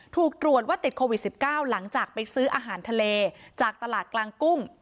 ถูกตรวจว่าติดโควิด๑๙หลังจากไปซื้ออาหารทะเลจากตลาดกลางกุ้ง